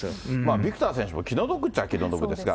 ビクター選手も気の毒っちゃ気の毒ですが。